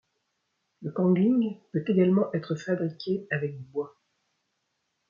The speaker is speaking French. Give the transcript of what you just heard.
Le kangling peut également être fabriqué avec du bois.